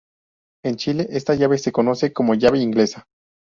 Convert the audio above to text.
En Chile, esta llave se Conoce como "Llave Inglesa".